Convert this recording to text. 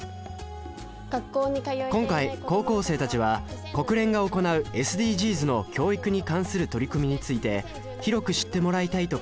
今回高校生たちは国連が行うＳＤＧｓの教育に関する取り組みについて広く知ってもらいたいと考え